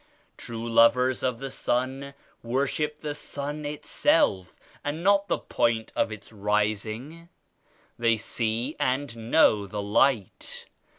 True lovers of the Sun worship the Sun Itself and not the point of Its rising. They see and know the Light.